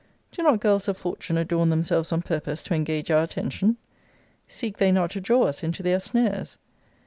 Do not girls of fortune adorn themselves on purpose to engage our attention? Seek they not to draw us into their snares?